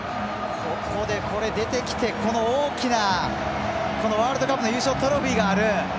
ここで出てきてこの大きな、ワールドカップの優勝トロフィーがある。